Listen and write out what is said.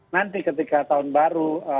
nanti ketika tahun baru